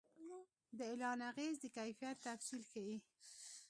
د اعلان اغېز د کیفیت تفصیل ښيي.